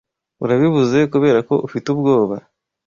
Urabivuze kuberako ufite ubwoba?